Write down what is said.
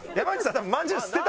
多分。